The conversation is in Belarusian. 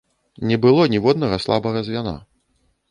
Не было ніводнага слабага звяна.